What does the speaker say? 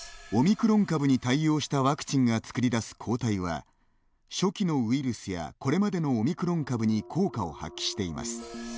オミクロン株に対応したワクチンが作り出す抗体は初期のウイルスやこれまでのオミクロン株に効果を発揮しています。